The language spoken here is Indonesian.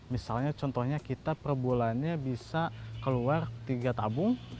misalnya contohnya kita per bulannya bisa keluar tiga tabung